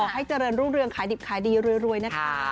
ให้เจริญรุ่งเรืองขายดิบขายดีรวยนะคะ